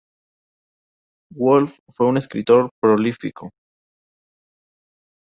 Wolf fue un escritor prolífico.